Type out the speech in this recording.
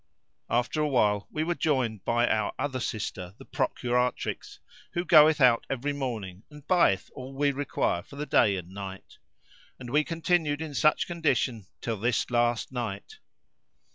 After a while we were joined by our other sister, the procuratrix, who goeth out every morning and buyeth all we require for the day and night; and we continued in such condition till this last night.